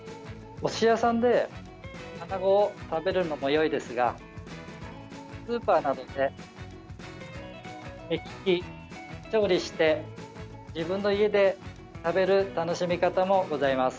おすし屋さんでアナゴを食べるのもよいですがスーパーなどで目利き、調理して自分の家で食べる楽しみ方もございます。